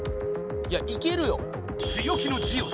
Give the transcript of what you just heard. いやいけるよ。